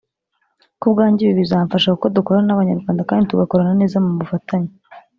Ku bwanjye ibi bizamfasha kuko dukorana n’Abanyarwanda kandi tugakorana neza mu bufatanye